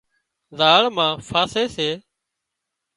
زاۯ مان پاسي سي